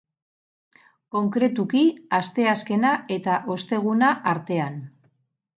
Konkretuki asteazkena eta osteguna artean.